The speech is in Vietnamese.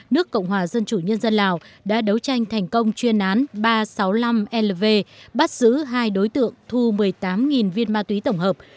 nước cộng hòa dân chủ nhân dân lào đã đấu tranh thành công chuyên án ba trăm sáu mươi năm lv bắt giữ hai đối tượng thu một mươi tám viên ma túy tổng hợp